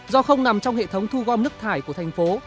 do không nằm trong hệ thống thu gom nước thải của thành phố